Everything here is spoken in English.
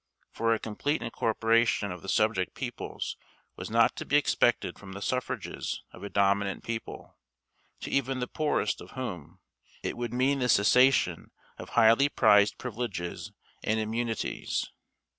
For a complete incorporation of the subject peoples was not to be expected from the suffrages of a dominant people, to even the poorest of whom, it would mean the cessation of highly prized privileges and immunities.